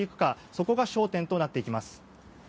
そこが焦点となってきます。